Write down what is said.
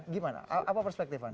gimana apa perspektif anda